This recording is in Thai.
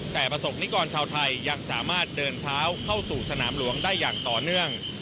แต่ประสบนิกรชาวไทยยังสามารถเดินเท้าเข้าสู่สนามหลวงได้อย่างต่อเนื่อง